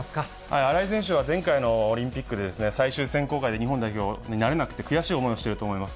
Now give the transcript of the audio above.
新井選手は、前回のオリンピックで、最終選考会で日本代表になれなくて、悔しい思いをしてると思います。